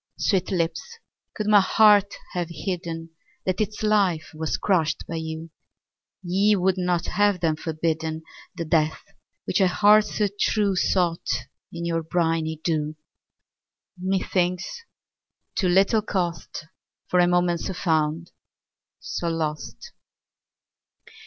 _15 4. Sweet lips, could my heart have hidden That its life was crushed by you, Ye would not have then forbidden The death which a heart so true Sought in your briny dew. _20 5. ......... Methinks too little cost For a moment so found, so lost!